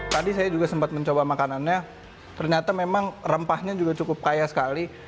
tadi saya juga sempat mencoba makanannya ternyata memang rempahnya juga cukup kaya sekali